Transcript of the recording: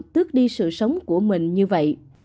tước đi sự sống của mình như vậy